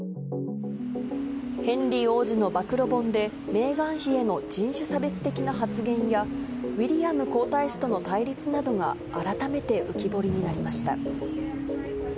ヘンリー王子の暴露本で、メーガン妃への人種差別的な発言や、ウィリアム皇太子との対立などが改めて浮き彫りになりました。